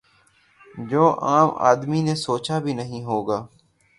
جو عام آدمی نے سوچا بھی نہیں ہو گا